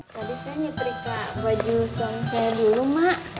tadi saya nyetrika baju suami saya dulu mak